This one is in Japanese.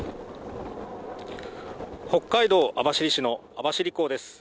北海道網走市の網走港です。